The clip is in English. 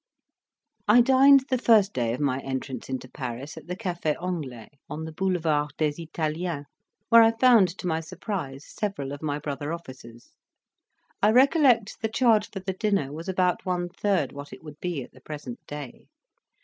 I dined the first day of my entrance into Paris at the Cafe Anglais, on the Boulevard des Italiens, where I found to my surprise several of my brother officers. I recollect the charge for the dinner was about one third what it would be at the present day.